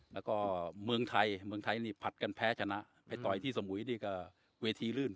แล้วก็เมืองไทยเมืองไทยนี่ผัดกันแพ้ชนะไปต่อยที่สมุยนี่ก็เวทีลื่น